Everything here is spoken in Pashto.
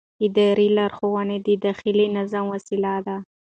اداري لارښوونې د داخلي نظم وسیله ده.